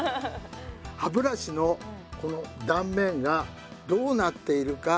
歯ブラシのこの断面がどうなっているか当てて下さい。